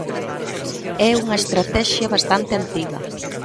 É unha estratexia bastante antiga.